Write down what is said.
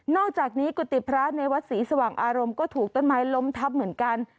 อกจากนี้กุฏิพระในวัดศรีสว่างอารมณ์ก็ถูกต้นไม้ล้มทับเหมือนกัน